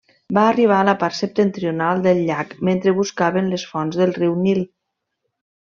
Va arribar a la part septentrional del llac mentre buscaven les fonts del riu Nil.